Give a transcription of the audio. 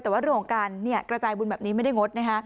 แต่ว่าเรื่องของการกระจายบุญแบบนี้ไม่ได้งดนะคะ